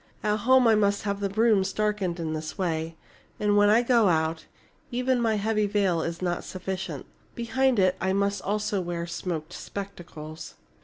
At home I must have the rooms darkened in this way. And when I go out, even my heavy veil is not sufficient. Behind it I must also wear smoked spectacles."